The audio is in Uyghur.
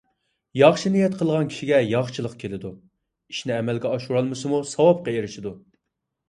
ياخشى نىيەت قىلغان كىشىگە ياخشىلىق كېلىدۇ، ئىشنى ئەمەلگە ئاشۇرالمىسىمۇ، ساۋابقا ئېرىشىدۇ.